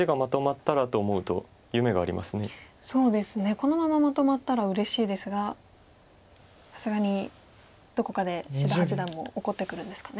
このまままとまったらうれしいですがさすがにどこかで志田八段も怒ってくるんですかね。